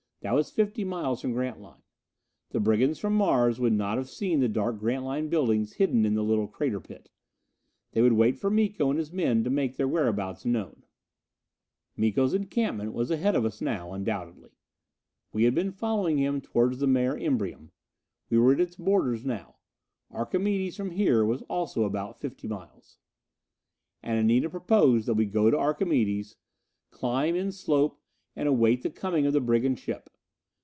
That was fifty miles from Grantline. The brigands from Mars would not have seen the dark Grantline buildings hidden in the little crater pit. They would wait for Miko and his men to make their whereabouts known. Miko's encampment was ahead of us now, undoubtedly. We had been following him toward the Mare Imbrium; we were at its borders now. Archimedes from here was also about fifty miles. And Anita proposed that we go to Archimedes, climb in slope and await the coming of the brigand ship.